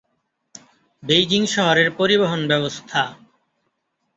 Beijing শহরের পরিবহন ব্যবস্থা